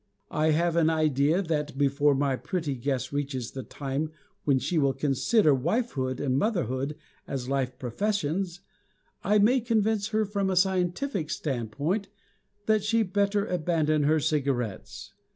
I have an idea that, before my pretty guest reaches the time when she will consider wifehood and motherhood as life professions, I may convince her from a scientific standpoint that she better abandon her cigarettes.